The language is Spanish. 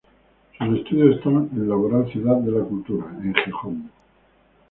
Sus estudios están en Laboral Ciudad de la Cultura en Gijón.